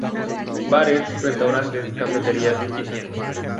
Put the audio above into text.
Bares, restaurantes, cafeterías y tiendas.